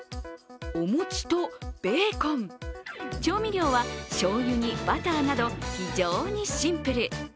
お餅とベーコン、調味料はしょうゆにバターなど非常にシンプル。